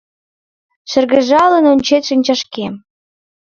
Шыргыжалын ончет шинчашкем